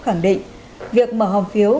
khẳng định việc mở hồng phiếu